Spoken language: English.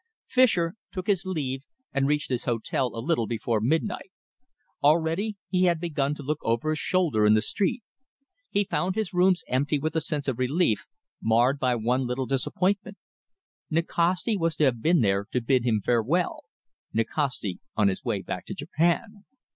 Fischer took his leave and reached his hotel a little before midnight. Already he had begun to look over his shoulder in the street. He found his rooms empty with a sense of relief, marred by one little disappointment. Nikasti was to have been there to bid him farewell Nikasti on his way back to Japan.